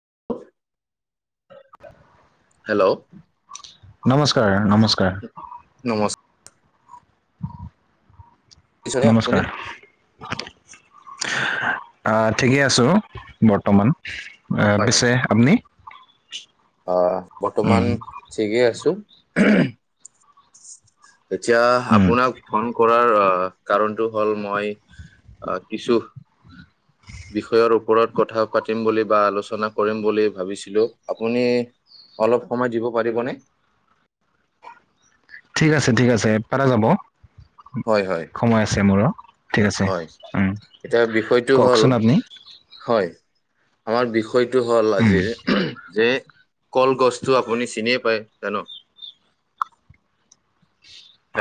[unintelligible] [unintelligible] Hello. নমস্কাৰ, নমস্কাৰ। নমস্কাৰ। আপুনি নমস্কাৰ। অহ' ঠিকেই আছো, বৰ্তমান। অহ' পিছে আপুনি। অহ' উম বৰ্তমান ঠিকেই আছো। এতিয়া উম আপোনাক ফোন কৰাৰ কাৰণটো হ'ল মই অহ, কিছু বিষয়ৰ ওপৰত কথা পাতিম বুলি, বা আলোচনা কৰিম বুলি ভাবিছিলো। আপুনি অলপ সময় দিব পাৰিবনে? ঠিক আছে ঠিক আছে পাৰা যাব হয় হয় সময় আছে মোৰ হয়, এতিয়া বিষয়টো হ'ল কওকচোন আপুনি হয় আমাৰ বিষয়টো হ'ল উম আজিৰ যে, কলগছটো আপুনি চিনিয়ে পায় জানো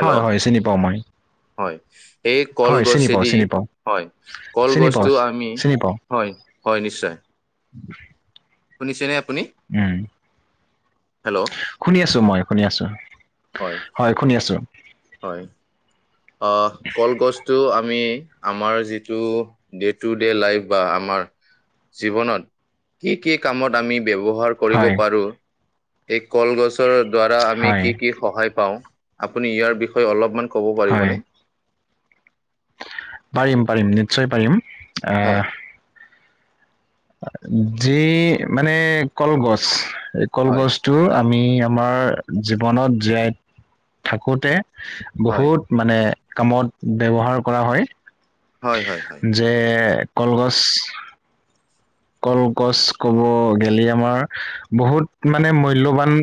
হয়, হয় চিনি পাওঁ মই। হয়, এই হয় কলগছ চিনি পাওঁ যদি চিনি পাওঁ হয়, চিনি পাওঁ কলগছটো আমি চিনি পাওঁ হয় হয় নিশ্চয়, শুনিছেনে? আপুনি? উম, হেল্ল' শুনি আছো মই শুনি আছো। হয়। শুনি আছো হয়। অ, কলগছটো আ আমি আমাৰ যিটো ডে টু ডে লাইফ বা আমাৰ জীৱনত কি কি কামত আমি ব্যৱহাৰ কৰিব হয় পাৰো এই কলগছৰ দ্বাৰা আমি হয় কি কি সহায় পাওঁ। আপুনি ইয়াৰ বিষয়ে অলপমান ক হয়। পাৰিম, পাৰিম, নিশ্চয় পাৰিম, হয়, আহ যি মানে কলগছ, এই হয়, কলগছটো আমি আমাৰ জীৱনত জীয়াই থাকোঁতে হয়, বহুত মানে কামত ব্যৱহাৰ কৰা হয়। হয়, হয়, হয়, যে কলগছ কলগছ ক'ব গেলে আমাৰ বহুত মানে মূল্যবান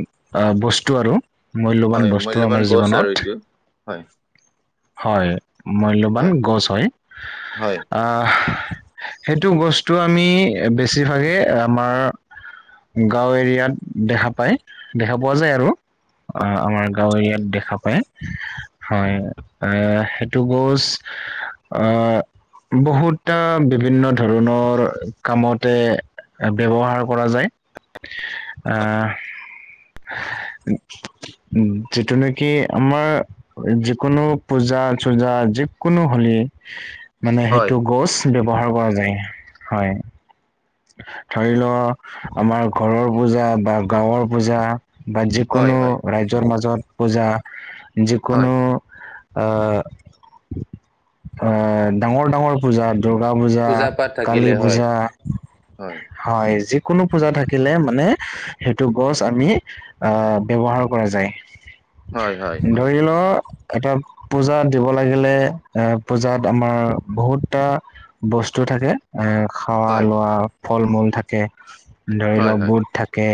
ব স্তু আৰু, হয়, মূল্যবান বস্তু আৰু মূল্যৱান আমাৰ গছ আৰু এইটো। জীৱনত। হয়, হয়, মূল্যবান হয়, গছ হয়, হয়, আহ সেইটো বস্তু আমি বেছিভাগে আমাৰ গাঁও এৰিয়াত দেখা পায়, দেখা পোৱা যায় আৰু। আহ আমাৰ গাঁও এৰিয়াত দেখা পায়, হয়। এ সেইটো গছ আহ বহুতটা বিভিন্ন ধৰণৰ কামতে ব্যৱহাৰ কৰা যায়। উ যিটো নেকি আমাৰ যিকোনো পূজা-চূজা যিকোনো হ'লে মানে হয়, সেইটো গছ ব্যৱহাৰ কৰা যায়। হয়। ধৰি লও আমাৰ ঘৰৰ পূজা বা গাঁৱৰ পূজা বা হয়, যিকোনো হয়। ৰাইজৰ মাজত পূজা, হয়। যিকোনো আহ, আহ, ডাঙৰ-ডাঙৰ পূজাত দুৰ্গা পূজা, পাঠ কালী থাকিলে হয়, পূজা, হয় যিকোনো পূজা থাকিলে মানে সেইটো গছ আমি আহ ব্যৱহাৰ কৰা যায়। হয়, হয়, হয়, ধৰিলো এটা পূজা দিব লাগিলে, এ পূজাত আমাৰ বহুতটা বস্তু থাকে, আহ হয়, লোৱা ফল-মূল থাকে, ধৰি হয়, লওক হয়, বুট থাকে।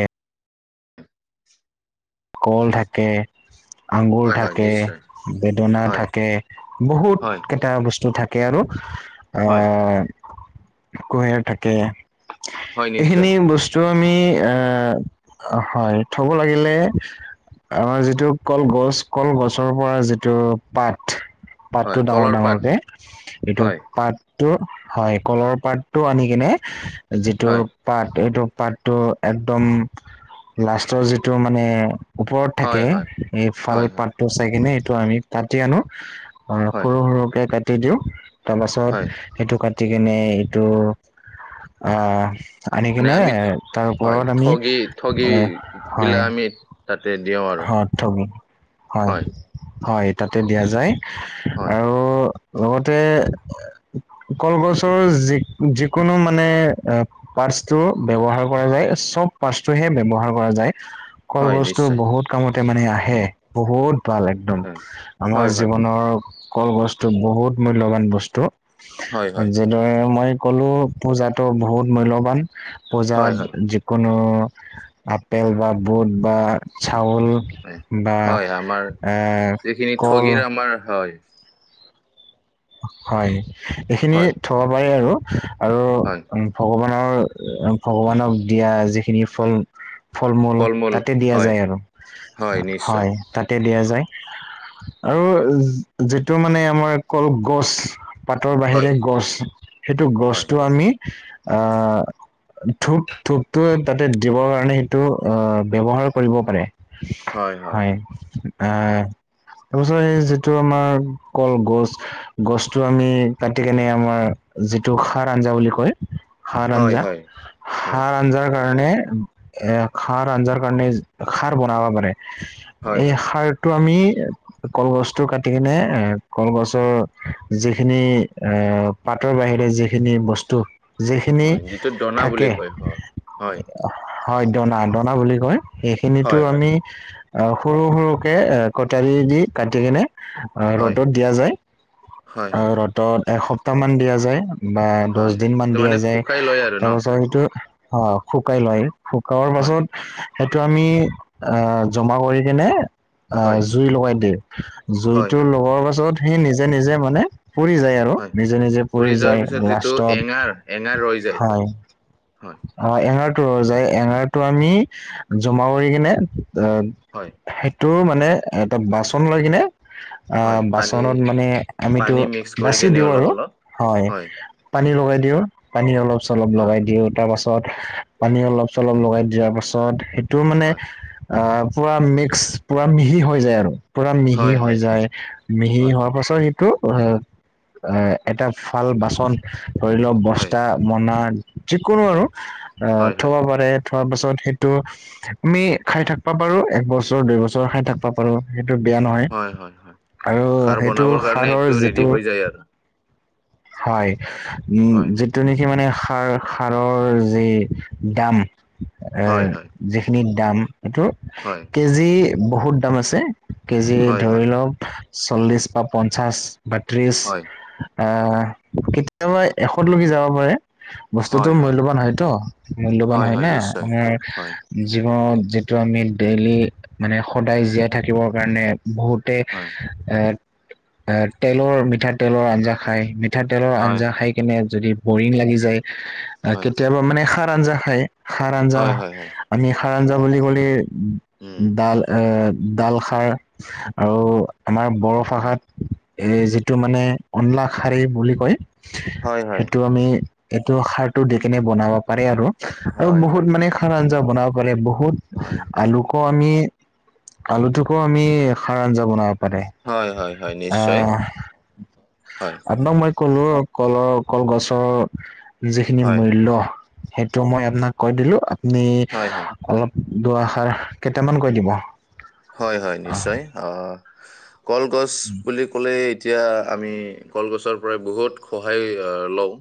কল থাকে। আঙুৰ হয়, হয়, থাকে, নিশ্চয়। বেদনা হয়, থাকে, বহুত হয়, কেইটা বস্তু থাক কে আৰু হয়, আহ কুঁহিয়াৰ থাকে। হয়, নিশ্চয়। এইখিনি বস্তু আমি এ, হয়, থব লাগিলে আমাৰ যিটো কলগছ, কলগছৰ পৰা যিটো পাত হয়, পাতটো কলৰ পাত। ডাঙৰ-ডাঙৰকে এইটো হয়, পাত টো হয় কলৰ পাতটো আনি কিনে যিটো হয়, পাত এইটো পাতটো একদম লাষ্টৰ যিটো মানে ওপৰত থাকে, হয়, হয়, এই ফাল হয়, হয়, পাতটো চাই কিনে এইটো আমি কাটি আনো। অ, হয়, সৰু-সৰুকে কাটি দিও, তাৰ পাছত হয়। সেইটো কা টি কেনে এইটো, আ আনি মানে কিনে আমি ঠ- তাৰ হয়, ওপৰত আমি, ঠগি ঠগি এ হয়। বিলাক আমি তাতে দিওঁ আৰু। অ থগ, হয়, হয়, তাতে দিয়া যায়। হয়। আৰু লগতে কলগছৰ যি যিকোনো মানে এ পা টো ব্যৱহাৰ কৰা যায়, চব পাচটো হে ব্যৱহাৰ কৰা যায়। হয়, কলগছটো নিশ্চয়। বহুত কামতে মানে আ হে, বহুত ভাল একদম, হয়। হয়, আমাৰ হয়, জীৱনৰ কল গছটো বহুত মূল্যবান বস্তু, হয়, আৰু হয়, মই যিদৰে মই সকলো পূজাতো বহুত মূল্যবান, হয়, পূজাত হয়, যিকোন নো আপেল বা বুট বা চাউল হয়। বা হয়, আমাৰ আ এইখিনি কল। ঠগিৰ আমাৰ হয়, হয়, এইখিনি হয়, থব পাৰি আৰু, হয়, আৰু ভগৱা [unintelligible] ভগৱানক দিয়া যিখিনি ফল ফল মূল ফল-মূল তাতে দিয়া হয়, যায় আৰু হয় তাতে দিয়া য আৰু যিটো মানে আমাৰ কল গছ পাতৰ বাহিৰে গছ সেইটো গছটো আমি আ ধূপ ধূপটোৱে তাতে দিবৰ কাৰণে সেইটো অ' ব্যৱহাৰ কৰিব পাৰে। হয়। আ তাৰপিছত এই যিটো আমাৰ কলগছ গছটো আমি কাটি কেনে আমাৰ যিটো খাৰ আঞ্জা বুলি কয়। সাৰ আঞ্জা সাৰ আঞ্জাৰ কাৰণে এ খাৰ আঞ্জাৰ কাৰণে খাৰ বনাব পাৰে। এই খাৰটো আমি কলগছটো কাটি কিনে এ কলগছ টো যিখিনি এ পাতৰ বাহিৰে যিখিনি বস্তু যিখিনি দনা বুলি থাকে। কয় হয় হয় হয় দনা-দনা বুলি কয় এইখিনিতো হয় আমি আ সৰু সৰুকে কটাৰী দি কাটি কেনে হয় ৰ'দত দিয়া যায়। হয় হয় হয় ৰ'দত এসপ্তাহ মান দিয়া যায়। বা দছ হয় দিন মান এইটো দিয়া মানে যায় শুকাই লয় আৰু ন তাৰ পাছত সেইটো অ' শুকাই লয়। শুকোৱাৰ হয় পাছত সেইটো আমি আ জমা কৰি কিনে আ হয় জুই লগাই দিয়ে হয় জুইটো হয় লগোৱাৰ পাছত সি নিজে- নিজে মানে পৰি যায় আৰু হয় নিজে-নিজে পৰি ফুৰি যোৱাৰ যায় পিছত যিটো লাষ্টত এঙাৰ এঙাৰ ৰৈ যায় হয়। হয় অ' এ যায় এঙাৰটো আমি জমা কৰি কিনে হয় অ' টোৰ মানে এটা বাচন লৈ কিনে হয় অ' বাচ পানী মান আমি টো পানী মিক্স কৰি বাছেই কেনে দিও অলপ আৰু অলপ হয়, পানী লগাই দিওঁ পানী অলপ চলপ হয় লগাই দিওঁ তাৰ পাছত পাছত পানী অলপ চলপ লগাই দিয়াৰ পাছত সেইটো মানে হয় আ পুৰা মিক্স পুৰা মিহি হৈ যায় আৰু পুৰা মিহি হয় হৈ হয় যায়। মিহি হয় হোৱাৰ পাছত সেইটো এ-এ এটা ভাল বাচন ধৰি লওঁক হয় বস্তা মনা যিকোনো আৰু অ হয় থ'ব হয় পাৰে। থোৱাৰ পাছত সেইটো আমি খাই থাকবা পাৰো একবছৰ দুই বছৰ খাই থাকিবা পাৰো সেই বেয়া নহয় হয় হয় হয় আৰু খাৰ সেইটো বনাবৰ কাৰণে সাৰৰ এইটো ৰেডি যিটো হৈ যায় আৰু হয়, উম হয় যিটো নেকি মানে খাৰ খাৰৰ যি দাম হয় হয় যিখিনি দাম এইটো হয় কেজি বহুত দাম আছে কেজি হয়, ধৰি হয়, লওক চল্লিশ বা পঞ্চাশ বা ত্ৰিশ। হয়, আ কেতিয়াবা এশত লকে যাব পাৰে। বস্তুতো হয়, হয়, মূল্যবান হয়তো মূল্যবান হয় না আমাৰ জীৱনত যিটো আমি ডেইলি মানে সদায় জীয়াই থাকিবৰ কাৰণে বহুতে হয়, এ তেলৰ মিঠাতেলৰ আঞ্জা খাই মিঠাতেলৰ হয়, আঞ্জা খাই কেনে যদি বৰিং লাগি যায় আ হয়, কেতিয়াবা মানে সাৰ আঞ্জা খাই সাৰ আঞ্জা হয়, হয়, হয়, আমি খাৰ আঞ্জা বুলি ক'লে উম, ডাল- ডাল খাৰ আৰু আমাৰ বড়ো উম, ভাষাত এই যিটো মানে অনলা শাৰী বুলি কয়। হয়, হয়, সেইটো আমি এইটো সাৰটো দি কেনে বনাব পাৰি আৰু। আৰু হয়, বহুত হয়, মানে খাৰ আঞ্জা বনাব পাৰে বহুত হয়, আলুকৰ আমি আলুটোকো আমি সাৰ আঞ্জা বনাব পাৰে, হয়, হয়, হয়, আ নিশ্চয়, হয়, আপোনাক মই ক'লো কলৰ কলগছৰ যিখিনি হয়, মূল্য সেইটো মই আপোনাক কৈ দিলো। আপুনি হয়, হয়, অলপ দুআষাৰ কেইটামান কৈ দিব। হয়-হয় নিশ্চয়, অ' কলগছ উম। বুলি ক'লে এতিয়া আমি কলগছৰ পৰাই বহুত সহায় লওঁ।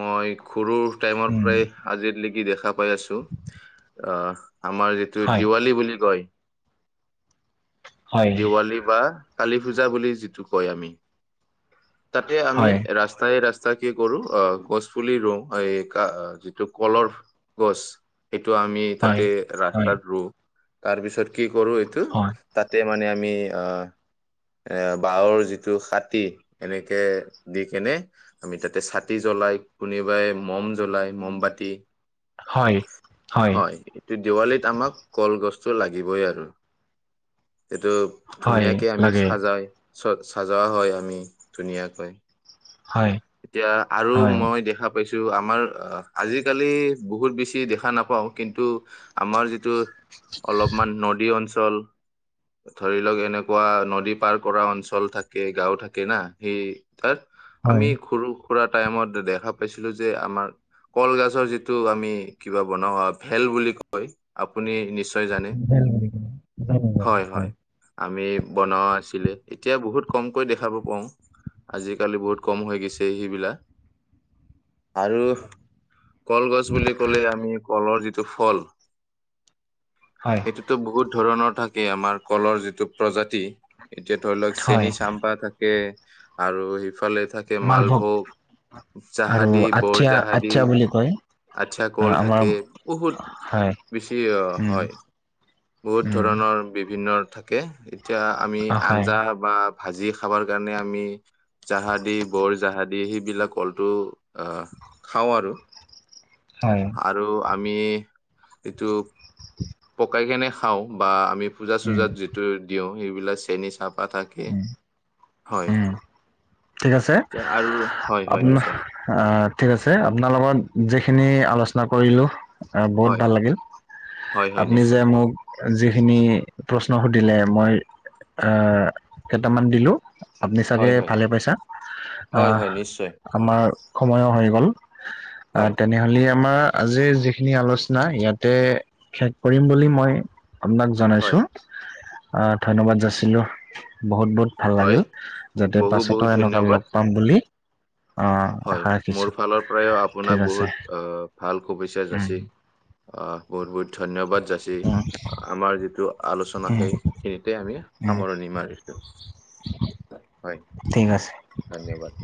মই ঘৰু টাইমৰ উম, পৰাই আজিৰ লেগি দেখা পাই আছো আ' আমাৰ যিটো হয়, দিৱালী বুলি কয়। হয়, দেৱালী বা কালী পূজা বুলি যিটো কয় আমি। তাতে আমি হয়, ৰাস্তাই ৰাস্তাই কি কৰো অ, গছ পুলি ৰুওঁ এই ক যিটো কলৰ গছ। এইটো আমি হয়, হয়, তাতে ৰাস্তাত ৰুওঁ তাৰপিছত কি কৰো এইটো হয়, তাতে মানে আমি আ' এ বাহৰ যিটো খাতী এনেকে দি কেনে আমি তাতে চা তি জ্বলাই কোনোবাই মম জ্বলাই মমবাতি। হয়, হয়। দেৱালীত আমাক কলগছটো লাগিবই আৰু। সেইটো হয়, ধুনীয়াকে আমি লাগে, সাজাই চ চাজোৱা হয় আমি ধুনীয়াকৈ। হয়, এতিয়া আৰু হয়, মই দেখা পাইছো। টো আমাৰ আজিকালি বহুত বেছি দেখা নাপাওঁ কিন্তু আমাৰ যিটো অলপমান নদী অঞ্চল ধৰি লওক এনেকুৱা নদী পাৰ কৰা অঞ্চল থাকে গাঁও থাকে না সি তাত হয়, হয়, আমি সৰু সুৰা টাইমত দেখা পাইছিলো যে আমাৰ কলগছৰ যিটো আমি কিবা বনাওঁ ভেল বুলি কয় আপুনি নিশ্চয় জানে হয় হয় আমি বনোৱা আছিলে এতিয়া বহুত কমকৈ দেখাব পাব আজিকালি বহুত কম হৈ গৈছে সিবিলা আৰু কলগছ বুলি ক'লে আমি কলৰ যিটো ফল। হয়, সেইটোতো বহুত ধৰণৰ থাকে আমাৰ কলৰ যিটো প্ৰজাতি এতিয়া ধৰি লওক হয়, চেনিচাম্পা থাকে আৰু সিফালে থাকে মালভোগ। আৰু জাহাদী, আঠিয়া, বৰজাহাদী। আঠিয়া বুলি কয়। আচ্ছা কল আমাৰ থাকে বহুত হয়, বেছি উম, হয়। বহুত উম, ধৰণৰ বিভিন্ন থাকে এতিয়া আমি হয়, আঞ্জা বা ভাজি খাবাৰ কাৰণে আমি জাহাদি বৰ জাহাদি সেইবিলাক কলটো আ খাওঁ আৰু। হয়, আৰু আমি এইটো পকাই কেনে খাওঁ বা আমি উম, পূজা-চূজাত যিটো দিওঁ সেইবিলাক চেন চাপ পা থাকে উম। হয়। উম, ঠিক আছে তে আৰু হয় আপ হয় নিশ্চয় ঠিক আছে আপোনাৰ লগত যিখিনি আলোচনা কৰিলো সচাই বহুত হয় ভাল লাগিল, হয় হয় আপুনি যে নিশ্চয় মোক যিখিনি প্ৰশ্ন সুধ দিলে মই কেইটামান দিলোঁ। আপুনি হয় চাগে হয় ভালে পাইছা হয় আ' হয় নিশ্চয় আমাৰ সময়ো হৈ গ'ল। অ, হয় তেনেহলে আমাৰ আজিৰ যিখিনি আলোচনা ইয়াতে শেষ কৰিম বুলি মই- আপোনাক হয় জনাইছোঁ ধন্যবাদ যাছিলোঁ বহুত বহুত ভাল হয় লাগিল। যাতে বহু পাছতো বহুত এনেকুৱা ধন্যবাদ লগ পাম বুলি আহ হয়, আশা ৰাখিছো মোৰ ফালৰ পৰাও ঠিক আপোনাক আছে বহুত ভাল শুভেচ্ছা উম যাচি অ, বহুত বহুত ধন্যবাদ যাচি উম আমাৰ যিটো আলোচনা উম সেইখিনিতে আমি উম সামৰণি মাৰিলো। হয় ঠিক আছে ধন্যবাদ।